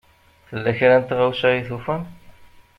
Tella kra n tɣawsa i tufam?